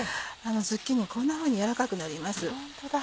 ズッキーニはこんなふうに軟らかくなります。